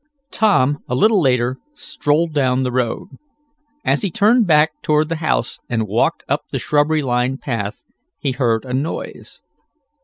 Tom, a little later, strolled down the road. As he turned back toward the house and walked up the shrubbery lined path he heard a noise.